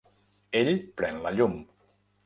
Ell pren la llum.